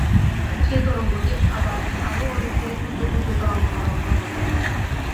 সেই তরঙ্গটি আবার আরও অনেকগুলি ক্ষুদ্র ক্ষুদ্র তরঙ্গমালা উৎপন্ন করে।